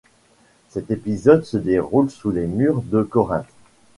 Cet épisode se déroule sous les murs de Corinthe.